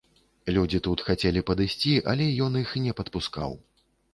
Людзі тут хацелі падысці, але ён іх не падпускаў.